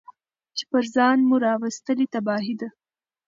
چي پر ځان مو راوستلې تباهي ده